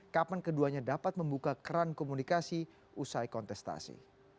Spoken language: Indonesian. kapan keduanya dapat membuka keran komunikasi usai kontestasi